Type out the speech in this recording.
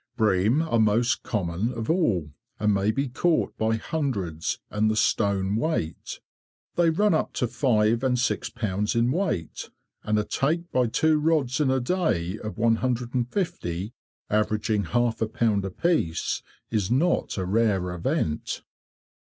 Bream are most common of all, and may be caught by hundreds and the stone weight. They run up to five and six pounds in weight, and a take by two rods in a day of 150, averaging half a pound apiece, is not a rare event.